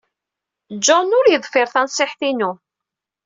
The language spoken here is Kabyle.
John ur yeḍfir tanṣiḥt-inu.